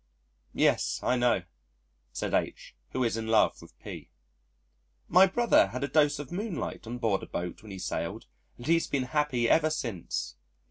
"Yes, I know," said H (who is in love with P ). "My brother had a dose of moonlight on board a boat when he sailed and he's been happy ever since."